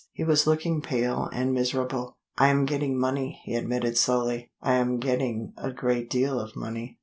He was looking pale and miserable. "I am getting money," he admitted slowly. "I am getting a great deal of money."